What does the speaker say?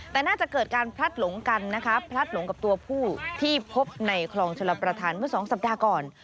แต่น่าจะเกิดการพลัดหลงกันนะคะพลัดหลงกับตัวผู้ที่พบในคลองชลประธานเมื่อสองสัปดาห์ก่อน